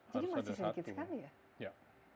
jadi masih sedikit sekali ya